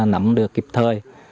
nắm được kịp thời